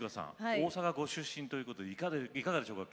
大阪ご出身ということでいかがでしょうか？